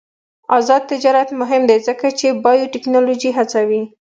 آزاد تجارت مهم دی ځکه چې بایوټیکنالوژي هڅوي.